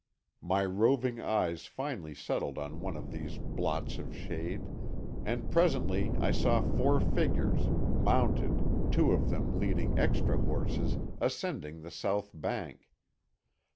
My roving eyes finally settled on one of these blots of shade, and presently I saw four figures, mounted, two of them leading extra horses, ascending the south bank.